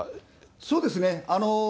そうですね。